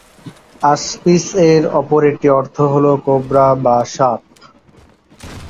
আসপিস-এর অপর একটি অর্থ হল কোবরা বা সাপ।